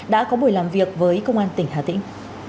đã có buổi làm việc với công an tỉnh hà tĩnh